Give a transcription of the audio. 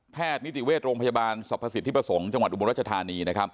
แพทย์นิติเวชโรงพยาบาลสรรพสิทธิ์ประสงค์จังหวัดอุบังรัชธานี